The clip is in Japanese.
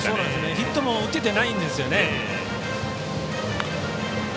ヒットも打ててないんですよね。